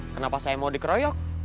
kenapa saya mau dikeroyok